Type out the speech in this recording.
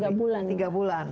kalau merek malah tiga bulan